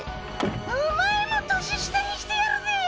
お前も年下にしてやるぜえ。